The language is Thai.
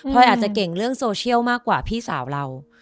พอยอาจจะเก่งเรื่องโซเชียลมากกว่าพี่สาวเรา